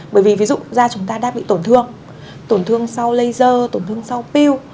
bởi vì ví dụ da chúng ta đang bị tổn thương tổn thương sau laser tổn thương sau pill